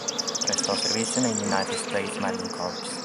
Prestò servizio negli United States Marine Corps.